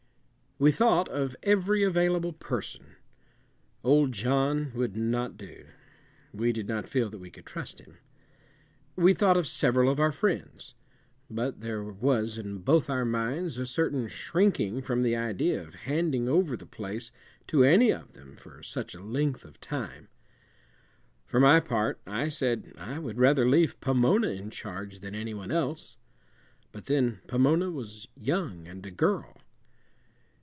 We thought of every available person. Old John would not do. We did not feel that we could trust him. We thought of several of our friends; but there was, in both our minds, a certain shrinking from the idea of handing over the place to any of them for such a length of time. For my part, I said, I would rather leave Pomona in charge than any one else; but then Pomona was young and a girl.